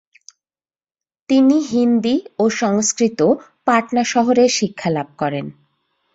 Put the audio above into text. তিনি হিন্দি ও সংস্কৃত পাটনা শহরে শিক্ষা লাভ করেন।